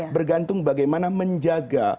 bergantung bagaimana menjaga